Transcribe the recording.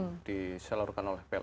jadi seluruhnya disalurkan oleh plm